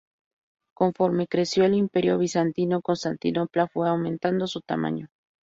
Conforme creció el Imperio bizantino, Constantinopla fue aumentando su tamaño.